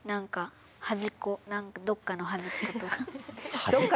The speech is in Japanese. どっかのはじっことか。